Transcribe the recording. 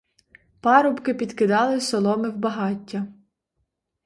Парубки підкидали соломи в багаття.